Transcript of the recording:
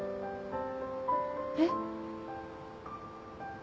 えっ？